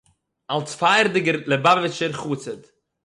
אלס פייערדיגער ליובאַוויטשער חסיד